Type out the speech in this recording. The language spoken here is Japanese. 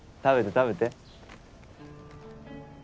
食べて食べて。